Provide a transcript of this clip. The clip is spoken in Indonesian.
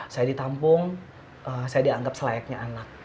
saya ditampung saya dianggap selayaknya anak